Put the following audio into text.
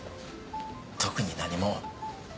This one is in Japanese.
特に何も。